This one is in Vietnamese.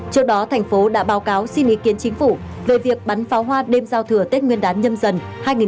trước đó thành phố đã báo cáo xin ý kiến chính phủ về việc bắn pháo hoa đêm giao thừa tết nguyên đán nhâm dần hai nghìn hai mươi bốn